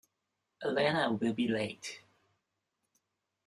Elena will be late.